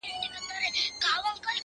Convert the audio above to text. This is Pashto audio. • سي -